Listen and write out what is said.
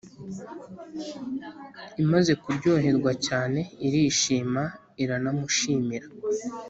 imaze kuryoherwa cyane irishima iranamushimira